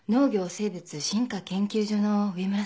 生物進化研究所の上村さんです。